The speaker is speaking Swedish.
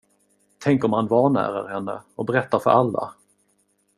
Tänk om han vanärar henne och berättar för alla?